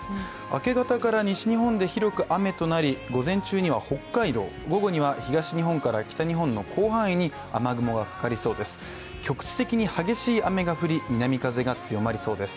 明け方から西日本で広く雨となり午前中には北海道、午後には東日本から北日本の広範囲に雨雲がかかりそうです。